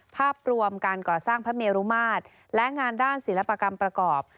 ภาพรวมการก่อสร้างพระเมรุมาตรและงานด้านศิลปกรรมประกอบ